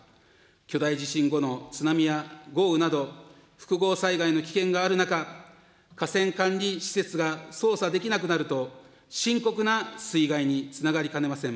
巨大地震後の津波や豪雨など、複合災害の危険がある中、河川管理施設が操作できなくなると深刻な水害につながりかねません。